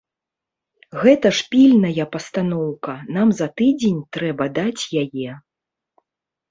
Гэта ж пільная пастаноўка, нам за тыдзень трэба даць яе.